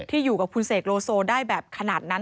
อยู่กับคุณเสกโลโซได้แบบขนาดนั้น